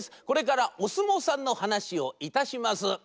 これからおすもうさんのはなしをいたします。